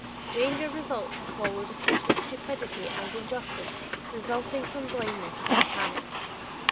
Stranger results have followed a course of stupidity and injustice resulting from blindness and panic!